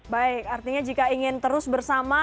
baik artinya jika ingin terus bersama